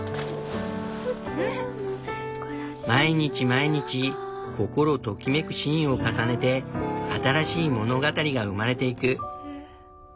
毎日毎日心ときめくシーンを重ねて新しい物語が生まれていく。